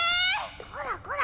こらこら。